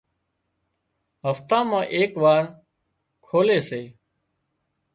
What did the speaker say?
هفتا مان ايڪ وار کولي سي